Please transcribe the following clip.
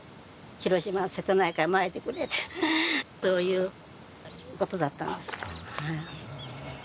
広島、瀬戸内海にまいてくれって、そういうことだったんですよ。